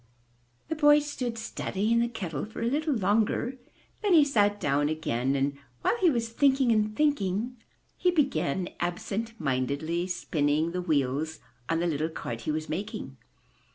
The boy stood studying the kettle for a little longer, then he sat down again and while he was thinking and thinking, he began absent mindedly spinning the wheels on the little cart he was making.